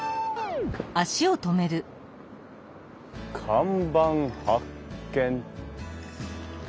看板発見。